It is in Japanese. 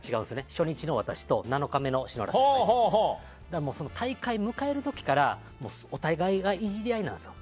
初日の私と７日目の篠原先輩と大会迎える時からお互いがイジり合いなんですよ。